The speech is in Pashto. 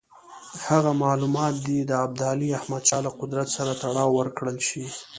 هغه معلومات دې د ابدالي احمدشاه له قدرت سره تړاو ورکړل شي.